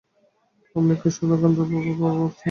আপনি কি সুধাকান্তবাবুর কথা বলছেন?